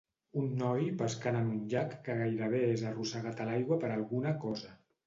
Un noi pescant en un llac que gairebé és arrossegat a l'aigua per alguna cosa.